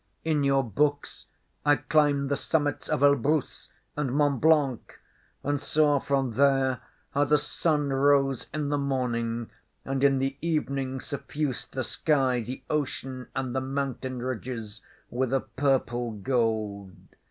In your books I climbed the summits of Elbruz and Mont Blanc and saw from there how the sun rose in the morning, and in the evening suffused the sky, the ocean and the mountain ridges with a purple gold.